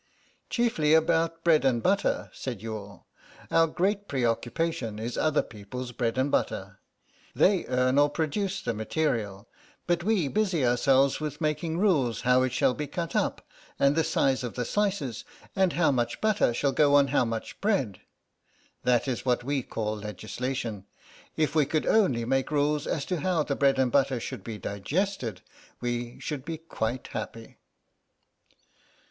"Chiefly about bread and butter," said Youghal; "our great preoccupation is other people's bread and butter. They earn or produce the material, but we busy ourselves with making rules how it shall be cut up, and the size of the slices, and how much butter shall go on how much bread. That is what is called legislation. If we could only make rules as to how the bread and butter should be digested we should be quite happy."